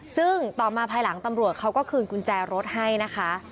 ซึ่งต่อมาภายหลังตำรวจเขาก็คืนกุญแจรถให้นะคะ